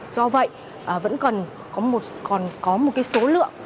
do vậy vẫn còn có một số lượng